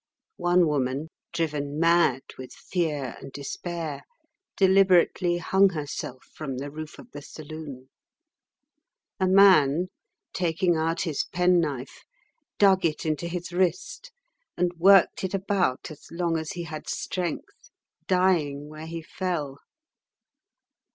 One woman, driven mad with fear and despair, deliberately hung herself from the roof of the saloon. A man, taking out his penknife, dug it into his wrist and worked it about as long as he had strength, dying where he fell.